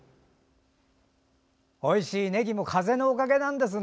おいしいねぎも風のおかげなんですね。